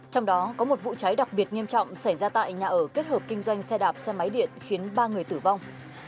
trong đó có một vụ cháy đặc biệt nghiêm trọng xảy ra tại nhà ở kết hợp kinh doanh xe đạp xe máy điện khiến ba người tử vong